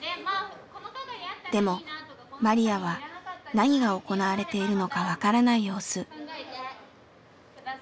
でもマリヤは何が行われているのかわからない様子。